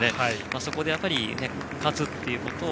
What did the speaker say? そこで勝つということを。